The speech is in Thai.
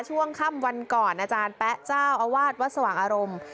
ช่วงค่ำวันก่อนอาจารย์แป๊ะเจ้าอาวาสวัดสว่างอารมณ์